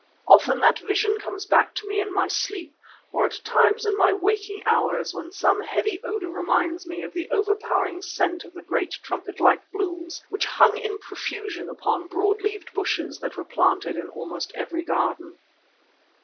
Often that vision comes back to me in my sleep, or at times in my waking hours when some heavy odour reminds me of the overpowering scent of the great trumpet like blooms which hung in profusion upon broad leaved bushes that were planted in almost every garden.